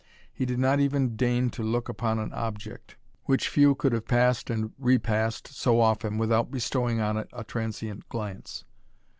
He did not even deign to look upon an object, which few could have passed and repassed so often without bestowing on it a transient glance.